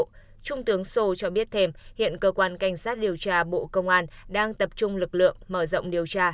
trung tướng sô cho biết thêm hiện cơ quan canh sát điều tra bộ công an đang tập trung lực lượng mở rộng điều tra